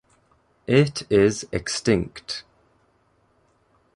It is extinct.